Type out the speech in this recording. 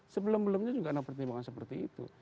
sebelum belumnya juga ada pertimbangan seperti itu